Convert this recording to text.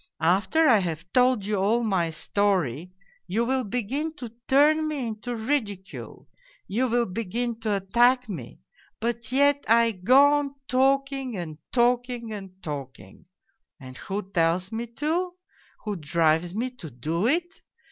After I have told you all my story you will begin to turn me into ridicule, you will begin to attack me, but yet 218 POLZUNKOV I go on talking and talking and talking ! And who tells me to ? Who drives me to do it